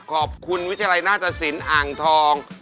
ขอบคุณวิทยาลัยนาฏศิลป์อ่างทอง